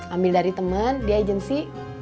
ambil dari temen di agensi